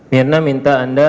mirna minta anda